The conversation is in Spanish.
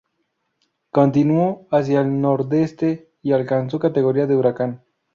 Continuó hacia el nordeste y alcanzó categoría de huracán.